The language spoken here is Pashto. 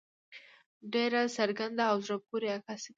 ډېره څرګنده او زړۀ پورې عکاسي کوي.